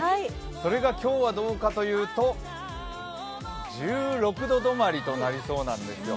それが今日はどうかというと１６度止まりとなりそうなんですよ